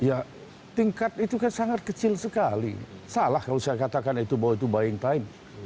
ya tingkat itu kan sangat kecil sekali salah kalau saya katakan itu bahwa itu buying time